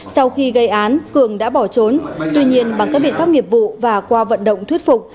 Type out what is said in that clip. sau khi gây án cường đã bỏ trốn tuy nhiên bằng các biện pháp nghiệp vụ và qua vận động thuyết phục